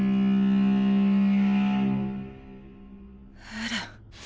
エレン。